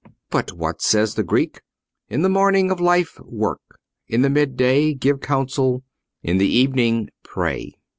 But what says the Greek? 'In the morning of life, work; in the mid day, give counsel; in the evening, pray.